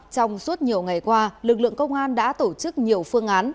trong suốt nhiều ngày qua lực lượng công an đã tổ chức nhiều phương án